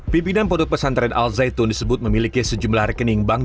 pimpinan pondok pesantren al zaitun disebut memiliki sejumlah rekening bank